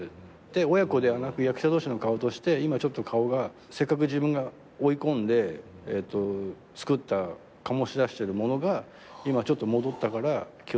親子ではなく役者同士の顔として今ちょっと顔がせっかく自分が追い込んで作った醸し出してるものが今ちょっと戻ったから気を付けた方がいいよみたいな。